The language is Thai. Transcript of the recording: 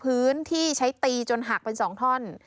พื้นที่ใช้ตีจนหักเป็น๒ท่อน